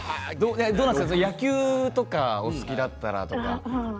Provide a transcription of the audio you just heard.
野球とかお好きだったら。